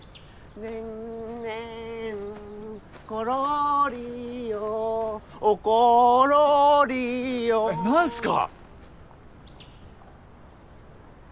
ねんねんころりよおころりよえっなんすか？